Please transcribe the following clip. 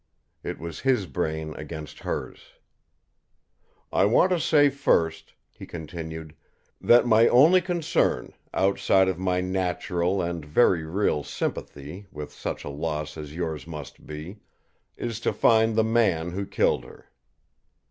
It was his brain against hers. "I want to say first," he continued, "that my only concern, outside of my natural and very real sympathy with such a loss as yours must be, is to find the man who killed her."